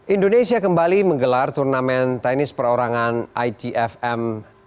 indonesia kembali menggelar turnamen tenis perorangan itfm lima belas